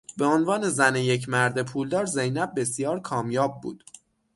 به عنوان زن یک مرد پولدار زینب بسیار کامیاب بود.